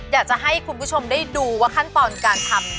อยากจะให้คุณผู้ชมได้ดูว่าขั้นตอนการทำ